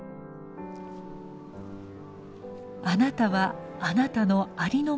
あなたはあなたのありのままでよい。